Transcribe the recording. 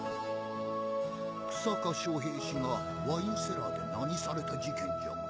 日下昇平氏がワインセラーでナニされた事件じゃが。